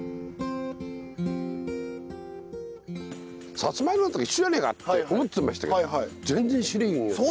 さつまいもなんて一緒じゃねえかって思ってましたけど全然種類によって違う。